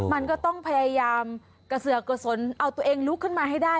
มันก็ต้องพยายามกระเสือกกระสนเอาตัวเองลุกขึ้นมาให้ได้